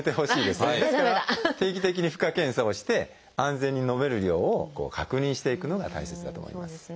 ですから定期的に負荷検査をして安全に飲める量を確認していくのが大切だと思います。